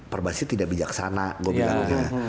perbasis tidak bijaksana gue bilangnya